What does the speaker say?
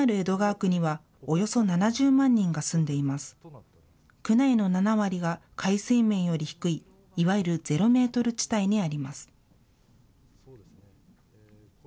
区内の７割が海水面より低い、いわゆるゼロメートル地帯にあります。